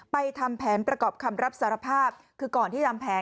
ประกอบคำเลือกสารภาพ